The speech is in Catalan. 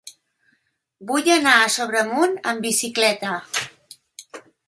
Vull anar a Sobremunt amb bicicleta.